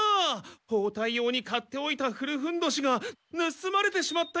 ほうたい用に買っておいた古ふんどしがぬすまれてしまったようだぞ！